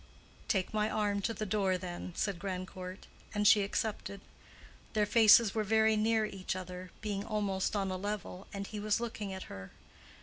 "Take my arm to the door, then," said Grandcourt, and she accepted. Their faces were very near each other, being almost on a level, and he was looking at her.